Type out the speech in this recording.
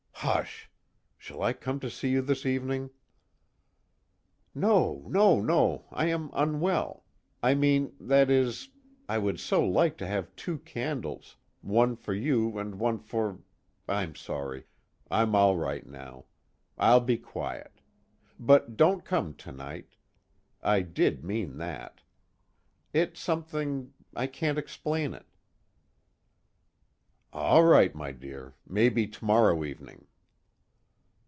"Hush! Shall I come to see you this evening?" "Oh no no, I am unwell. I mean that is, I would so like to have two candles, one for you and one for I'm sorry ... I'm all right now. I'll be quiet. But don't come tonight I did mean that. It's something I can't explain it." "All right, my dear. Maybe tomorrow evening."